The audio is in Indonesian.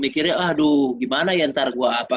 mikirnya aduh gimana ya ntar gua apa